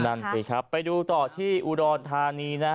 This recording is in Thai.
นั่นสิครับไปดูต่อที่อุดรธานีนะฮะ